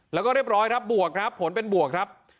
แล้วก็เรียบร้อยครับบวกครับผลเป็นบวกครับ